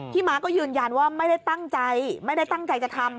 ม้าก็ยืนยันว่าไม่ได้ตั้งใจไม่ได้ตั้งใจจะทำ